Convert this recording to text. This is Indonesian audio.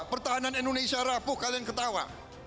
pertahanan indonesia rapuh kalian ketawa